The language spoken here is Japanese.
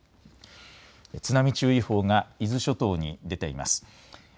津波注意報が伊豆諸島に出ています。